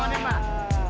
nah nihim bapak